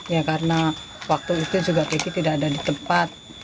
ya karena waktu itu juga kiki tidak ada di tempat